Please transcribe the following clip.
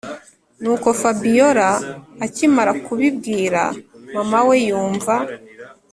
nuko fabiora akimara kubibwira mama we yumva